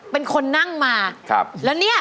เป็นคนนั่งมาครับแล้วเนี่ย